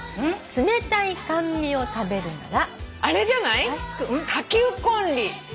「冷たい甘味を食べるなら」